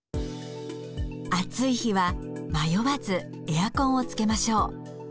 暑い日は迷わずエアコンをつけましょう。